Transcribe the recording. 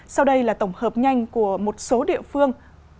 sau đây là tổng hợp nhanh của một số địa phương